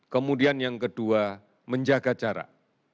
kemudian yang kedua menjaga jarak